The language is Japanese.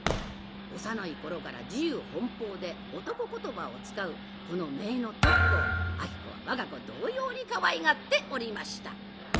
幼い頃から自由奔放で男言葉を使うこの姪の徳子を子は我が子同様にかわいがっておりました。